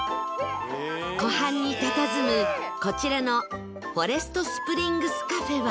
湖畔に佇むこちらのフォレストスプリングスカフェは